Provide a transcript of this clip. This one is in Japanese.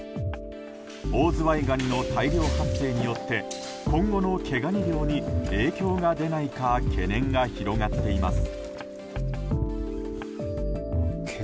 オオズワイガニの大量発生によって今後の毛ガニ漁に影響が出ないか懸念が広がっています。